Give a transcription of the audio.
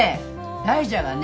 大蛇がね